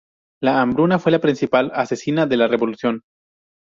La hambruna fue la principal asesina de la revolución.